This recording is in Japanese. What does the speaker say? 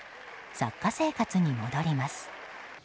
作家生活に戻ります。